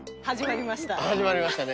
始まりました。